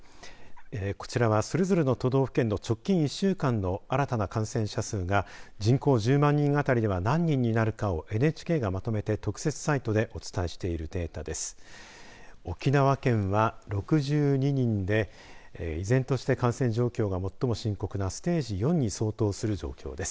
こちらは、それぞれの都道府県の直近１週間の新たな感染者数が人口１０万人あたりでは何人になるかをＮＨＫがまとめて特設サイトでお伝えしているデータです。